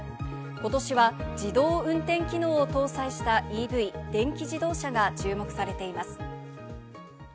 今年は自動運転機能を搭載したＥＶ＝電気自動車が注目されています。